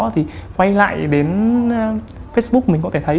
thì quay lại đến facebook mình có thể thấy